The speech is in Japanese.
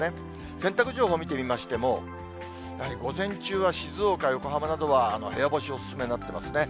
洗濯情報を見てみましても、やはり午前中は静岡、横浜などは、部屋干し、お勧めになっていますね。